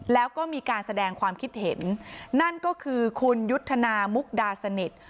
แล้วก็มีการแสดงความคิดเห็นนั่นก็คือคุณยุทธนามุกดาสนิท